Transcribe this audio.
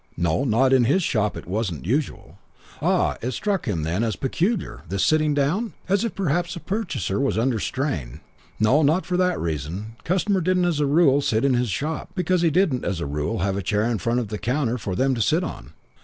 No, not in his shop it wasn't usual. Ah, it struck him then as peculiar, this sitting down? As if perhaps the purchaser was under a strain? No, not for that reason customers didn't as a rule sit in his shop, because he didn't as a rule have a chair in front of the counter for them to sit on.